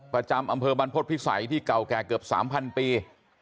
ประจำอำเภอบรรพฤษภิษัยที่เก่าแก่เกือบ๓๐๐ปี